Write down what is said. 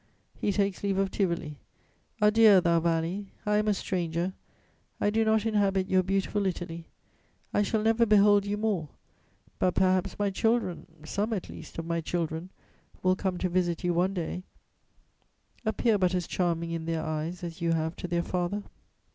He takes leave of Tivoli: "Adieu, thou valley!... I am a stranger; I do not inhabit your beautiful Italy; I shall never behold you more: but perhaps my children, some at least of my children, will come to visit you one day; appear but as charming in their eyes as you have to their father."